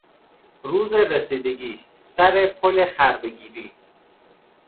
روز رسیدگی، سر پل خر بگیری